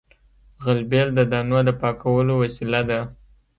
غلبېل د دانو د پاکولو وسیله ده